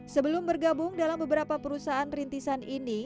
sebelum bergabung dalam beberapa perusahaan rintisan ini